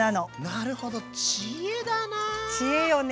なるほど知恵よね。